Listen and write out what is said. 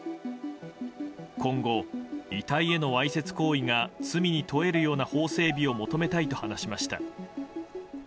今後、遺体へのわいせつ行為が罪に問えるような法整備を求めたいと話しました。